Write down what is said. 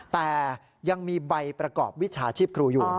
แต่ยังมีใบประกอบวิชาชีพครูอยู่